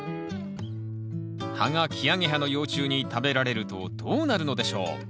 葉がキアゲハの幼虫に食べられるとどうなるのでしょう？